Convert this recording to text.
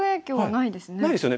ないですよね。